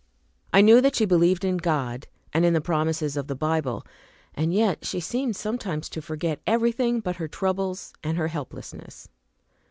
I knew that she believed in God, and in the promises of the Bible, and yet she seemed sometimes to forget everything but her troubles and her helplessness.